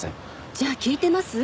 じゃあ聞いてます？